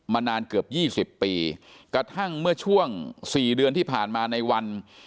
นานเกือบ๒๐ปีกระทั่งเมื่อช่วง๔เดือนที่ผ่านมาในวัน